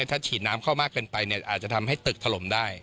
ถ้าฉีดน้ำเข้ามากเกินไปเนี่ยอาจจะทำให้ตึกถล่มได้